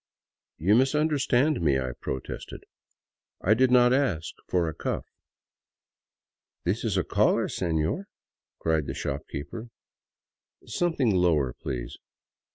" You misunderstand me," I protested, " I did not ask for a cuff." " This is a collar, seiior," cried the shopkeeper. " Something lower, please."